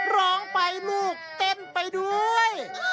ร้องไปลูกเต้นไปด้วย